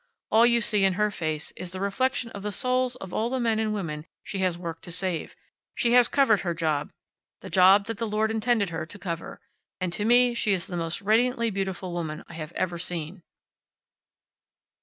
All you see in her face is the reflection of the souls of all the men and women she has worked to save. She has covered her job the job that the Lord intended her to cover. And to me she is the most radiantly beautiful woman I have ever seen."